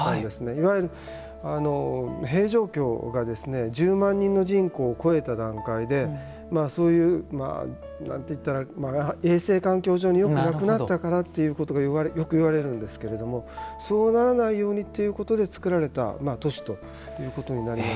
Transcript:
いわゆる平城京が１０万人の人口を超えた段階で衛生環境上よくなったからということがよく言われるんですけれどもそうならないようにということで造られた都市ということになります。